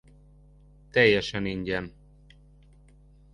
Teljesen ingyen.